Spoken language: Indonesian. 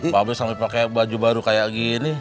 babe sampe pake baju baru kaya gini